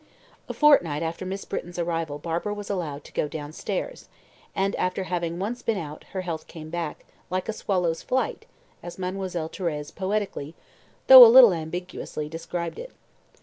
A fortnight after Miss Britton's arrival Barbara was allowed to go downstairs, and, after having once been out, her health came back "like a swallow's flight," as Mademoiselle Thérèse poetically, though a little ambiguously, described it.